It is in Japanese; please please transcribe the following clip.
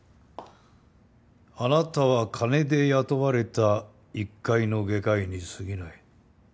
あなたは金で雇われた一介の外科医にすぎない。